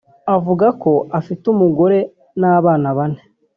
avuga ko afite umugore n’abana bane